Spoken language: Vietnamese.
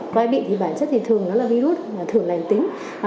quay bị thì bản chất thường là virus thường là hành tính